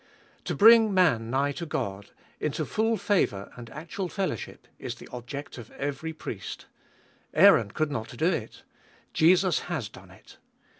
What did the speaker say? To bring man nigh to God, into full favour and actual fellowship, is the 244 ftbe iboltest of Hll object of every priest. Aaron could not do it ; Jesus has done it.